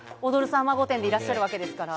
さんま御殿！！」でいらっしゃるわけですから。